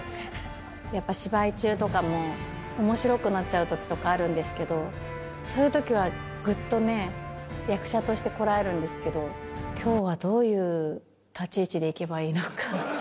やっぱ芝居中とかも、おもしろくなっちゃうときとかあるんですけど、そういうときは、ぐっとね、役者としてこらえるんですけど、きょうはどういう立ち位置でいけばいいのか。